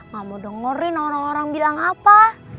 gak mau dengerin orang orang bilang apa